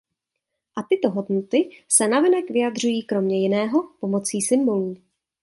A tyto hodnoty se navenek vyjadřují kromě jiného pomocí symbolů.